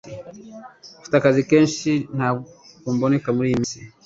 mfite akazi keshi ntabwo mboneka muriyi minsi